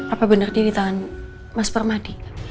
apa benar diri tangan mas permadi